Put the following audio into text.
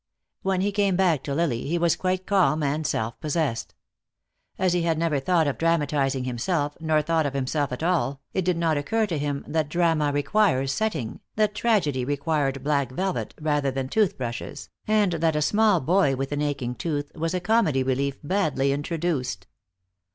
When he came back to Lily he was quite calm and self possessed. As he had never thought of dramatizing himself, nor thought of himself at all, it did not occur to him that drama requires setting, that tragedy required black velvet rather than tooth brushes, and that a small boy with an aching tooth was a comedy relief badly introduced.